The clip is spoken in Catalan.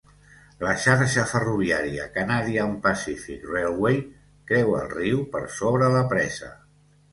La xarxa ferroviària Canadian Pacific Railway creua el riu per sobre la presa.